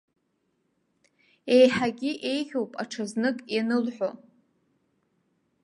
Еиҳагьы еиӷьуп аҽазнык ианылҳәо.